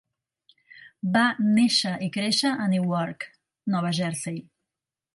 Va néixer i créixer a Newark, Nova Jersey.